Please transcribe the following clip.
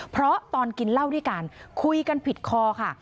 เพราะตอนกินเหล้าด้วยกันคุยกันผิดคอค่ะ